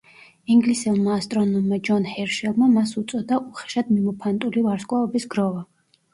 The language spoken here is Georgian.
ინგლისელმა ასტრონომმა ჯონ ჰერშელმა მას უწოდა „უხეშად მიმოფანტული ვარსკვლავების გროვა“.